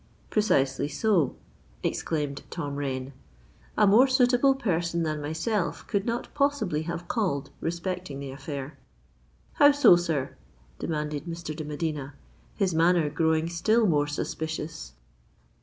"—"Precisely so," exclaimed Tom Rain. "A more suitable person than myself could not possibly have called respecting the affair."—"How so, sir?" demanded Mr. de Medina, his manner growing still more suspicious.